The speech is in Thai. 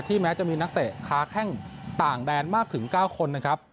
แม้จะมีนักเตะค้าแข้งต่างแดนมากถึง๙คนนะครับ